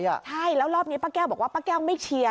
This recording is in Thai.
ใช่แล้วรอบนี้ป้าแก้วบอกว่าป้าแก้วไม่เชียร์